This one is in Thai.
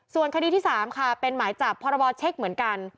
ส่วนคดีที่๓ค่ะเป็นหมายจับพรบเช็คเหมือนกัน